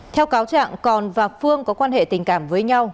theo cáo trạng còn và phương có quan hệ tình cảm với nhau